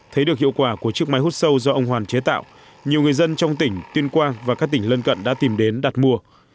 thấy được hiệu quả của chiếc máy hút sâu do ông hoàn chế tạo nhiều người dân trong tỉnh tuyên quang và các tỉnh lân cận đã tìm đến đặt mua